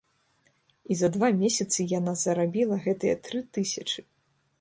І за два месяцы яна зарабіла гэтыя тры тысячы!